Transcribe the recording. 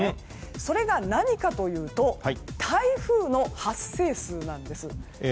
それが、何かというと台風の発生数なんです。